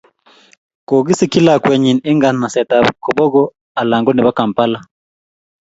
kikisikji lakwenji eng nganaset ab koboko anan ko nebo kampala